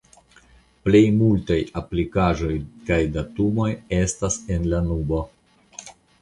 Plej multaj aplikaĵoj kaj datumoj estas en la "nubo".